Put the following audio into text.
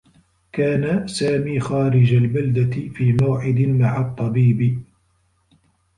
كان سامي خارج البلدة، في موعد مع الطّبيب.